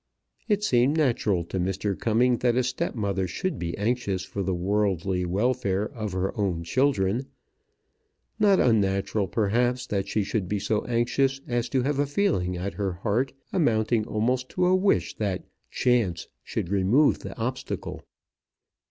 It seemed natural to Mr. Cumming that a stepmother should be anxious for the worldly welfare of her own children; not unnatural, perhaps, that she should be so anxious as to have a feeling at her heart amounting almost to a wish that "chance" should remove the obstacle.